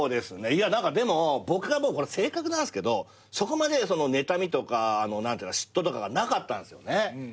いや何かでも僕はこれ性格なんすけどそこまでねたみとか嫉妬とかがなかったんすよね。